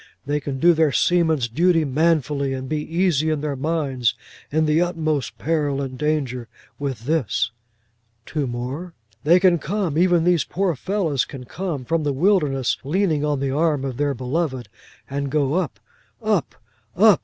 They can do their seaman's duty manfully, and be easy in their minds in the utmost peril and danger, with this'—two more: 'They can come, even these poor fellows can come, from the wilderness leaning on the arm of their Beloved, and go up—up—up!